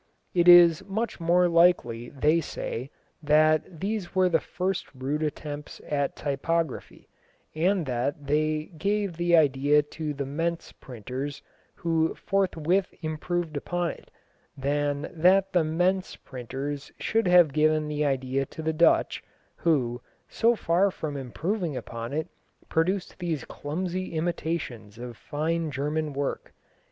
It is much more likely, they say, that these were the first rude attempts at typography, and that they gave the idea to the Mentz printers, who forthwith improved upon it, than that the Mentz printers should have given the idea to the Dutch, who, so far from improving upon it, produced these clumsy imitations of fine German work.